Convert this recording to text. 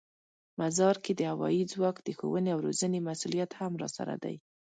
مزار کې د هوايي ځواک د ښوونې او روزنې مسوولیت هم راسره دی.